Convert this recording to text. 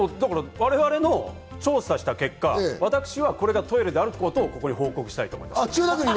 我々の調査した結果、私はこれがトイレであることをここで報告したいと思います。